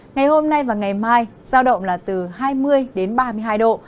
ngày hôm nay và ngày mai giao động là từ hai mươi đến ba mươi hai độ